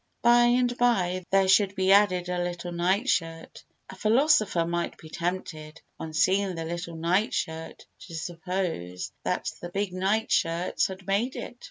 By and by there should be added a little night shirt. A philosopher might be tempted, on seeing the little night shirt, to suppose that the big night shirts had made it.